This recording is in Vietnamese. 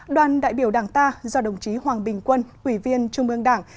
đoàn đại biểu đảng ta do đồng chí hoàng bình quân ủy viên trung ương đảng